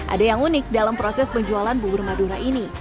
ada yang unik dalam proses penjualan bubur madura ini